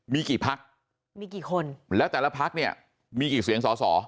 มีกี่พักมีกี่คนแล้วแต่ละพักเนี่ยมีกี่เสียงสอสอ